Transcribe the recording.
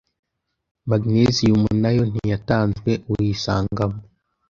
Magnesium nayo ntiyatanzwe uyisangamo